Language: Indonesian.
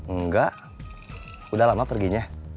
enggak udah lama perginya